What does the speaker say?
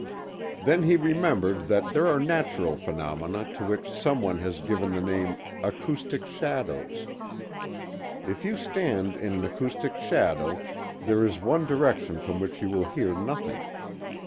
Then he remembered that there are natural phenomena to which some one has given the name "acoustic shadows." If you stand in an acoustic shadow there is one direction from which you will hear nothing.